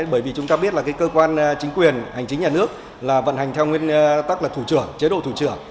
bởi vì chúng ta biết là cái cơ quan chính quyền hành chính nhà nước là vận hành theo nguyên tắc là thủ trưởng chế độ thủ trưởng